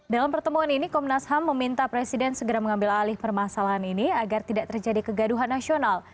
dalam pertemuan ini komnas ham meminta presiden segera mengambil alih permasalahan ini agar tidak terjadi kegaduhan nasional